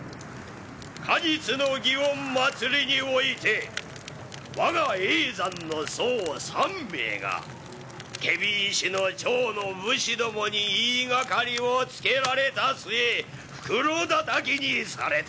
過日の園祭において我が叡山の僧３名が検非違使の庁の武士どもに言いがかりをつけられた末袋だたきにされた！